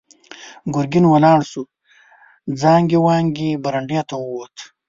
ګرګين ولاړ شو، زانګې وانګې برنډې ته ووت.